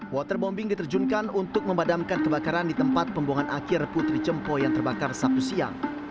waterbombing diterjunkan untuk memadamkan kebakaran di tempat pembuangan akhir putri cempo yang terbakar sabtu siang